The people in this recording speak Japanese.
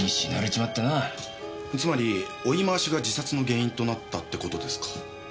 つまり追い回しが自殺の原因となったってことですか？